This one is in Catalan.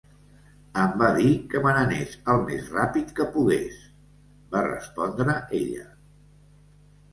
"Em va dir que me n'anés el més ràpid que pogués", va respondre ella.